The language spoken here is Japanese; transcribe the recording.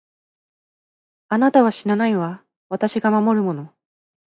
あなたは死なないわ、私が守るもの。